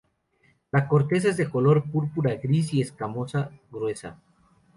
La corteza es de color púrpura gris y escamosa gruesa.